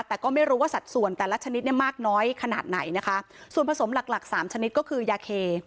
แต่ก็ไม่รู้ว่าสัดส่วนแต่ละชนิดเนี่ยมากน้อยขนาดไหนนะคะส่วนผสมหลักหลักสามชนิดก็คือยาเค